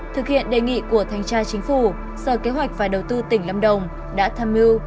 thực hiện đề nghị của thanh tra chính phủ sở kế hoạch và đầu tư tỉnh lâm đồng đã tham mưu